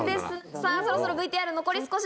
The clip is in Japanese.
さあ、そろそろＶＴＲ残り少し。